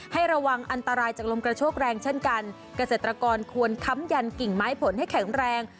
ให้ระวังอันตรายจากลมกระโชกแรงเช่นกันเกษตรกรควรค้ำยันกิ่งไม้ผลให้แข็งแรง